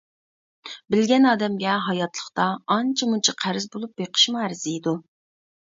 بىلگەن ئادەمگە ھاياتلىقتا ئانچە-مۇنچە قەرز بولۇپ بېقىشمۇ ئەرزىيدۇ.